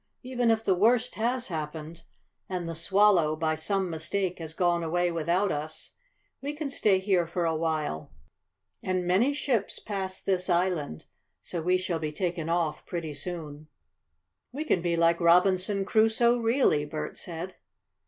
"Even if the worst has happened, and the Swallow, by some mistake, has gone away without us, we can stay here for a while. And many ships pass this island, so we shall be taken off pretty soon." "We can be like Robinson Crusoe, really," Bert said.